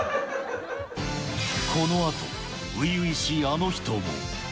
このあと、初々しいあの人も。